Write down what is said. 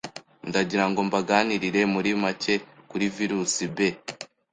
ndagira ngo mbaganirire muri make kuri Virus B